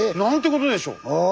ことでしょう